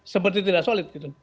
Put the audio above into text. seperti tidak solid gitu